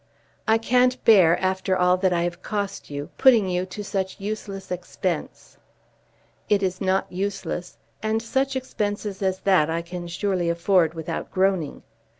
"I can't bear, after all that I have cost you, putting you to such useless expense." "It is not useless, and such expenses as that I can surely afford without groaning.